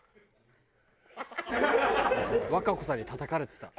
和歌子さんにたたかれてた。